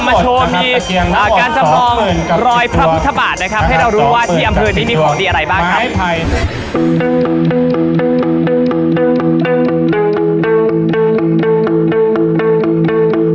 ก็จะมีการทำงานพันธกรรมมาโชว์มีอ่าการสำหรองรอยพระพุทธบาทนะครับ